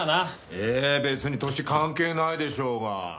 えぇ別に年関係ないでしょうが。